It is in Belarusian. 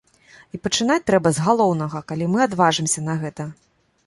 І пачынаць трэба з галоўнага, калі мы адважымся на гэта.